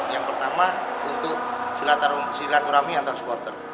yang pertama untuk silaturahmi antar supporter